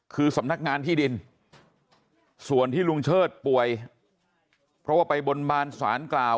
คือสำนักงานที่ดินส่วนที่ลุงเชิดป่วยเพราะว่าไปบนบานสารกล่าว